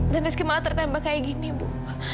dan rizky malah tertembak kayak gini bu